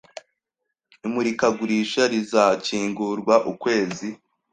Imurikagurisha rizakingurwa ukwezi